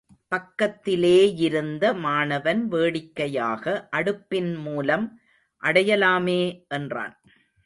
பக்கத்திலேயிருந்த மாணவன் வேடிக்கையாக அடுப்பின் மூலம் அடையலாமே! என்றான்.